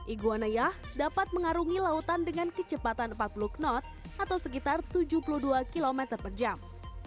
iguana yah dapat mengarungi lautan dengan kecepatan empat puluh knot atau sekitar tujuh puluh dua km per jam